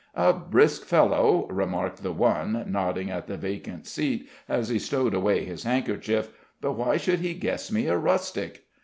"A brisk fellow," remarked the one, nodding at the vacant seat as he stowed away his handkerchief. "But why should he guess me a rustic?"